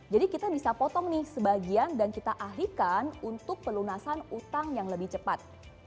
jadi kita bisa potong nih sebagian dan kita ahlikan untuk pelunasan hutang yang lebih cepat